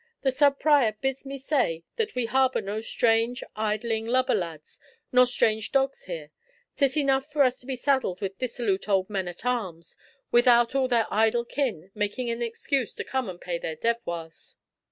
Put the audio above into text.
The sub prior bids me say that we harbour no strange, idling, lubber lads nor strange dogs here. 'Tis enough for us to be saddled with dissolute old men at arms without all their idle kin making an excuse to come and pay their devoirs.